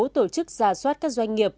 tổ chức giả soát các doanh nghiệp